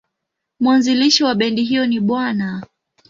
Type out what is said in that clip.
Mwanzilishi wa bendi hiyo ni Bw.